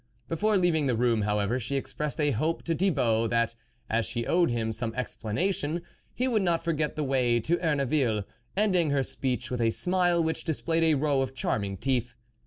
Before leaving the room, however, she expressed a hope to Thibault, that, as she owed him some ex THE WOLF LEADER piation, he would not forget the way to Erneville, ending her speech with a smile which displayed a row of charming teeth.